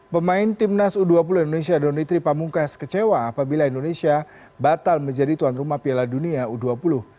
pemain timnas u dua puluh indonesia donitri pamungkas kecewa apabila indonesia batal menjadi tuan rumah piala dunia u dua puluh